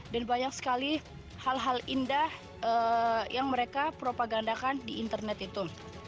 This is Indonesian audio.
dan banyak sekali hal hal indah yang mereka propagandakan di internet itu